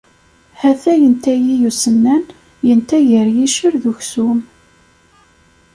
Ha-t-a yenta-yi usennan, yenta gar yiccer d uksum.